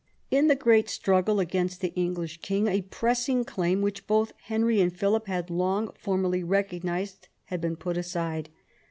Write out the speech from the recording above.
In the great struggle against the English king a pressing claim, which both Henry and Philip had long formally recognised, had been put aside.